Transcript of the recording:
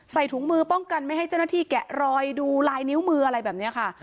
ถุงมือป้องกันไม่ให้เจ้าหน้าที่แกะรอยดูลายนิ้วมืออะไรแบบนี้ค่ะ